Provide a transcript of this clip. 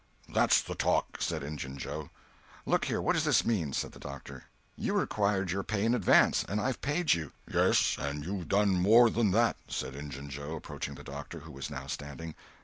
"That's the talk!" said Injun Joe. "Look here, what does this mean?" said the doctor. "You required your pay in advance, and I've paid you." "Yes, and you done more than that," said Injun Joe, approaching the doctor, who was now standing.